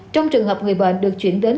trong trường hợp người bệnh được chuyển đến